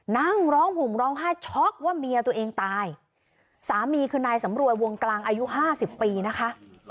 นั่งร้องห่มร้องไห้ช็อกว่าเมียตัวเองตายสามีคือนายสำรวยวงกลางอายุห้าสิบปีนะคะ